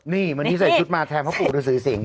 นี่มันนี่ใส่จุดมา้แท้ผ้าปู่รือศรีศิงศ์